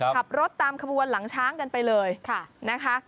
ขับรถตามขบวนหลังช้างกันไปเลยนะคะ